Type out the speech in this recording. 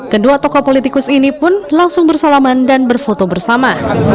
kedua tokoh politikus ini pun langsung bersalaman dan berfoto bersama